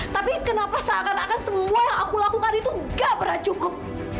tapi kenapa seakan akan semua yang aku lakukan itu gak pernah cukup